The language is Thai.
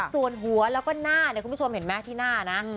ส่วนหัวแล้วก็หน้าเนี่ยคุณผู้ชมเห็นไหมที่หน้านะ